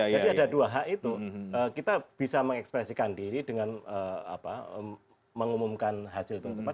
jadi ada dua hak itu kita bisa mengekspresikan diri dengan mengumumkan hasil tersebut